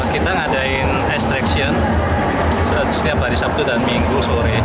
kita ngadain extraction setiap hari sabtu dan minggu sore